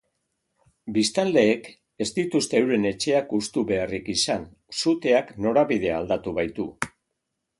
Biztanleek ez dituzte euren etxeak hustu beharrik izan, suteak norabidea aldatu baitu.